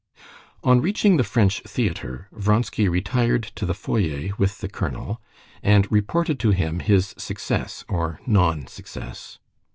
On reaching the French theater, Vronsky retired to the foyer with the colonel, and reported to him his success, or non success.